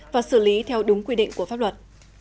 và xử lý theo đúng quy định của pháp luật